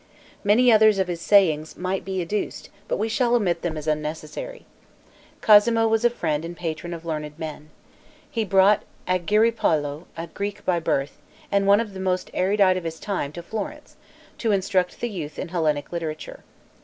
Many others of his sayings might be adduced, but we shall omit them as unnecessary. Cosmo was a friend and patron of learned men. He brought Argiripolo, a Greek by birth, and one of the most erudite of his time, to Florence, to instruct the youth in Hellenic literature.